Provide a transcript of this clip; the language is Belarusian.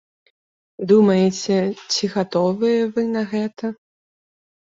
Думайце, ці гатовыя вы на гэта.